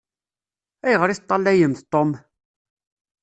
Ayɣeṛ i teṭṭalayemt Tom?